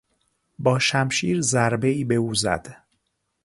با شمشیر ضربهای به او زد.